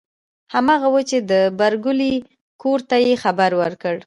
هماغه وه چې د پريګلې کور ته یې خبر ورکړ